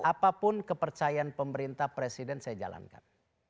apapun kepercayaan pemerintah presiden saya jalankan